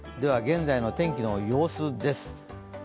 現在の天気の様子です。